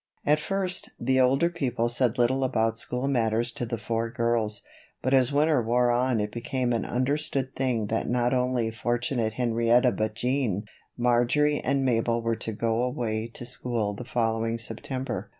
At first, the older people said little about school matters to the four girls, but as winter wore on it became an understood thing that not only fortunate Henrietta but Jean, Marjory and Mabel were to go away to school the following September.